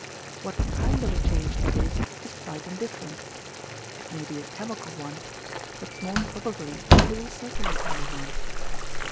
What kind of a change that is, is quite indifferent. It may be a chemical one but more probably it is a circulatory one.